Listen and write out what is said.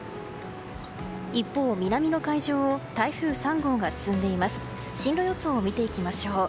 一方、南の海上を台風３号が進んでいます。進路予想を見ていきましょう。